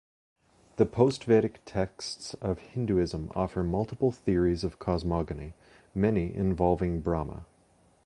The post-Vedic texts of Hinduism offer multiple theories of cosmogony, many involving Brahma.